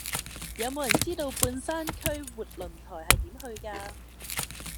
有無人知道半山區活倫台係點去㗎